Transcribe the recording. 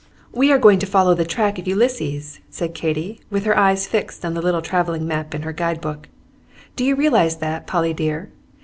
"We are going to follow the track of Ulysses," said Katy, with her eyes fixed on the little travelling map in her guide book. "Do you realize that, Polly dear?